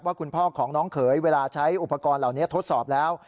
คุณพ่อของน้องเขยเวลาใช้อุปกรณ์เหล่านี้ทดสอบแล้ว